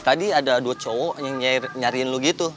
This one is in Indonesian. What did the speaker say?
tadi ada dua cowok yang nyariin lu gitu